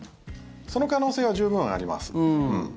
その可能性は十分あります。